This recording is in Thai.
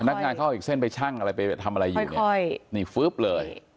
นักงานเขาเอาอีกเส้นไปชั่งอะไรไปทำอะไรอยู่เนี่ยนี่ฟึ๊บเลย